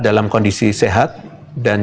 dalam kondisi sehat dan